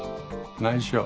ないしょ。